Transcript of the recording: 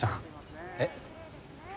えっ？